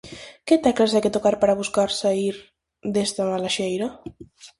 Que teclas hai que tocar para buscar saír desta mala xeira?